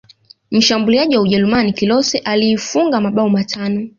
mshambuliaji wa ujerumani klose aliifunga mabao matano